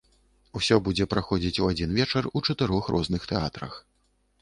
Усё будзе праходзіць у адзін вечар у чатырох розных тэатрах.